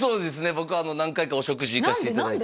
僕何回かお食事行かせていただいて何で？